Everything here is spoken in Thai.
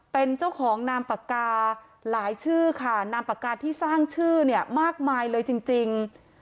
เป็นเจ้าของนามปากกาหลายชื่อค่ะนามปากกาที่สร้างชื่อเนี่ยมากมายเลยจริง